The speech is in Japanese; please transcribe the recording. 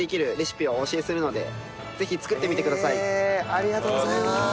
ありがとうございます！